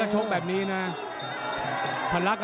ฝ่ายทั้งเมืองนี้มันตีโต้หรืออีโต้